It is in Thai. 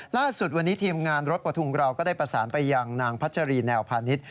ล่าสุดวันนี้ทีมงานรถประทุงเราก็ได้ประสานไปยังนางพัชรีแนวพาณิชย